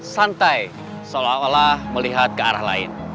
santai seolah olah melihat ke arah lain